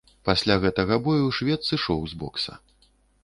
Пасля гэтага бою швед сышоў з бокса.